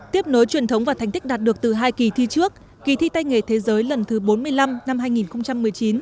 tiếp nối truyền thống và thành tích đạt được từ hai kỳ thi trước kỳ thi tay nghề thế giới lần thứ bốn mươi năm năm hai nghìn một mươi chín